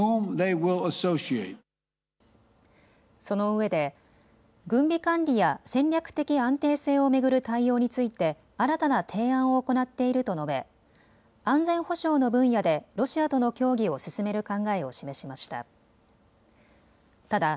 そのうえで軍備管理や戦略的安定性を巡る対応について新たな提案を行っていると述べ安全保障の分野でロシアとの協議を進める考えを示しました。